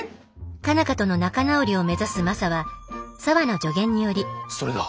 佳奈花との仲直りを目指すマサは沙和の助言によりそれだ。